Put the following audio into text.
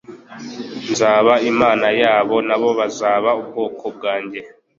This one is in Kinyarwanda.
nzaba Imana yabo nabo bazaba ubwoko bwanjye".»